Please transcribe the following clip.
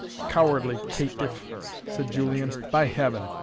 "Cowardly caitiff!" said Julian; "by Heaven!